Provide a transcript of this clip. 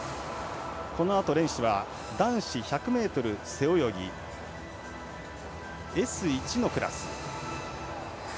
このあと、レースは男子１００ｍ背泳ぎＳ１のクラス。